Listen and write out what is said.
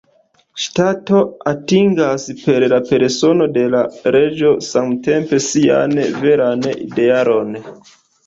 Ŝtato atingas per la persono de la reĝo samtempe sian veran idealon.